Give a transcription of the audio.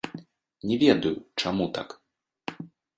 Не ведаю, чаму так.